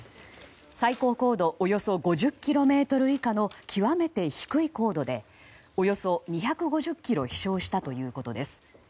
最高高度およそ５０ｋｍ以下の極めて低い高度でおよそ２５０ｋｍ飛翔したということです。